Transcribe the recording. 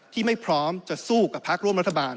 ที่ไม่พร้อมจะสู้กับพักร่วมรัฐบาล